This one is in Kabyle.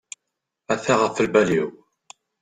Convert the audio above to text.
Ata ɣef lbal-iw.